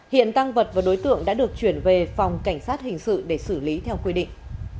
hiện tăng vật và đối tượng đã được chuyển về phòng cảnh sát hình sự để xử lý theo quy định